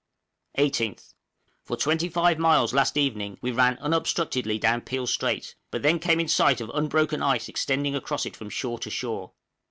18th. For 25 miles last evening we ran unobstructedly down Peel Strait, but then came in sight of unbroken ice extending across it from shore to shore!